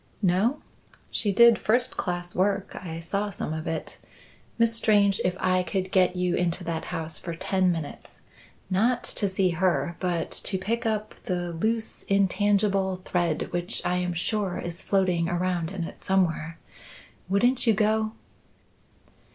"No? She did first class work. I saw some of it. Miss Strange, if I could get you into that house for ten minutes not to see her but to pick up the loose intangible thread which I am sure is floating around in it somewhere wouldn't you go?"